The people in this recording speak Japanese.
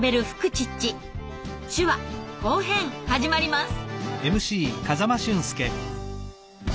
手話・後編始まります。